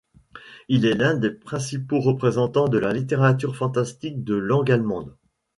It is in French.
Il est l'un des principaux représentants de la littérature fantastique de langue allemande.